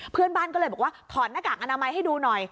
เพื่อนบ้านก็เลยบอกว่าถอดหน้ากากอนามัยให้ดูหน่อย